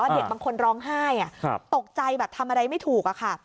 เด็กบางคนร้องไห้ตกใจแบบทำอะไรไม่ถูกค่ะ